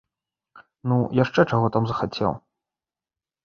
Ну, яшчэ чаго там захацеў!